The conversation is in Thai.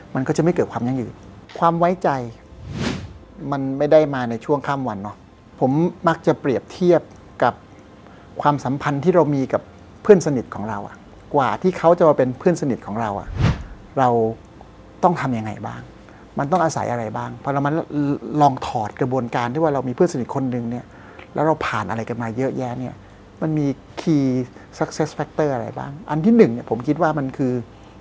มันก็จะไม่เกิดความยังอยู่ความไว้ใจมันไม่ได้มาในช่วงข้ามวันเนาะผมมักจะเปรียบเทียบกับความสัมพันธ์ที่เรามีกับเพื่อนสนิทของเราอ่ะกว่าที่เขาจะมาเป็นเพื่อนสนิทของเราอ่ะเราต้องทำยังไงบ้างมันต้องอาศัยอะไรบ้างเพราะเรามันลองถอดกระบวนการที่ว่าเรามีเพื่อนสนิทคนหนึ่งเนี่ยแล้วเราผ่านอะไรกันมาเยอะแยะเ